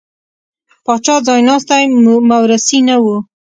پاچا ځایناستی مورثي نه و.